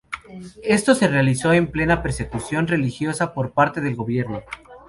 Esto se realizó en plena persecución religiosa por parte del gobierno.